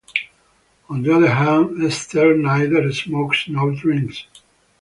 On the other hand, Esther neither smokes nor drinks.